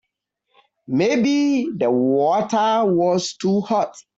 Maybe the water was too hot.